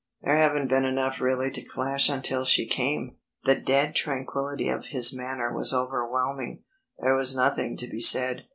There haven't been enough really to clash until she came." The dead tranquillity of his manner was overwhelming; there was nothing to be said.